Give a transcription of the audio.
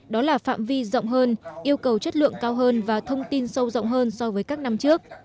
đó là phạm vi rộng hơn yêu cầu chất lượng cao hơn và thông tin sâu rộng hơn so với các năm trước